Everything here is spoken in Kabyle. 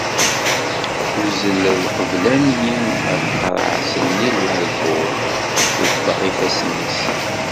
Tuzzel lqebla-nni ar tqarɛet-nni n larkul tebbeɣ ifassen-is.